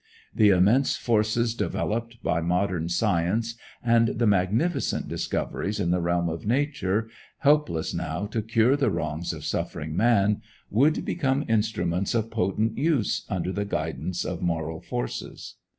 The immense forces developed by modern science, and the magnificent discoveries in the realm of nature, helpless now to cure the wrongs of suffering man, would become instruments of potent use under the guidance of moral forces.